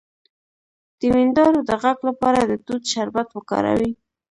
د وینادرو د غږ لپاره د توت شربت وکاروئ